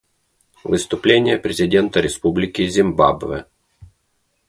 Выступление президента Республики Зимбабве.